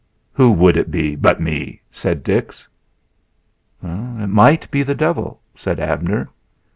"Who would it be but me?" said Dix. "It might be the devil," said Abner.